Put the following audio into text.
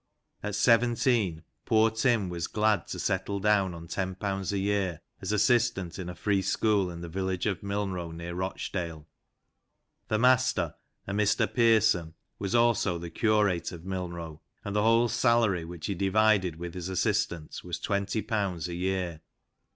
At seventeen poor Tim was glad to settle down on ten pounds a year, as assistant in a free school in the village of Milnrow, near Rochdale. The master, a Mr Pearson, was also the curate of Milnrow, and the whole salary which he divided with his assistant was twenty pounds a year.